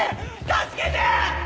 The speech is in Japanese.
助けて！